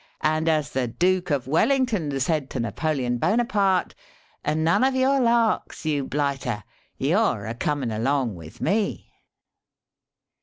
And as the Dook of Wellington said to Napoleon Bonaparte, 'None of your larks, you blighter you're a comin' along with me!'"